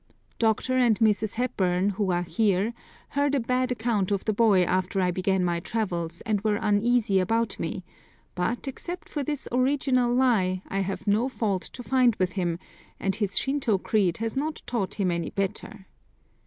Dr. and Mrs. Hepburn, who are here, heard a bad account of the boy after I began my travels and were uneasy about me, but, except for this original lie, I have no fault to find with him, and his Shintô creed has not taught him any better.